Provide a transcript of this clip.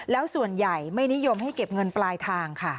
แล้วส่วนใหญ่ไม่นิยมให้เก็บเงินปลายทางค่ะ